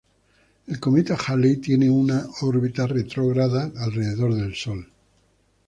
El cometa Halley tiene una órbita retrógrada alrededor del Sol.